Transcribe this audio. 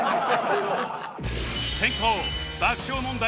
先攻爆笑問題